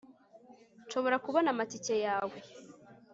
nshobora kubona amatike yawe